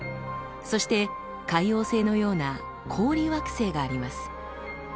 そして海王星のような「氷惑星」があります。